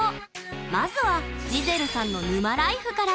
まずはジゼルさんの沼ライフから。